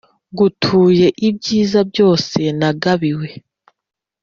Ngutuye ibyiza byose nagabiwe